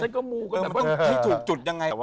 มันต้องแบบไม่ถูกจุดยังไง